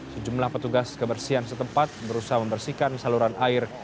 sejumlah petugas kebersihan setempat berusaha membersihkan saluran air